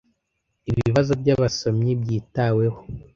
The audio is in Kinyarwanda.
Ibibazo by Abasomyi byitaweho